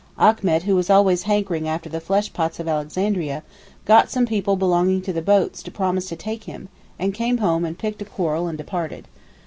Achmet, who was always hankering after the fleshpots of Alexandria, got some people belonging to the boats to promise to take him, and came home and picked a quarrel and departed.